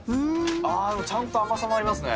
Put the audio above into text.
あちゃんと甘さもありますね。